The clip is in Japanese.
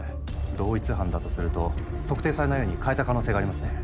同一犯だとすると特定されないように変えた可能性がありますね。